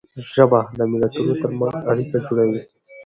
ژبه د ملتونو تر منځ اړیکه جوړوي.